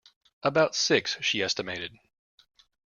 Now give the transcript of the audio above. About six, she estimated.